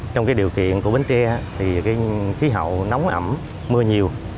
trong điều kiện của bến tre thì khí hậu nóng ẩm mưa nhiều